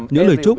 những lời chúc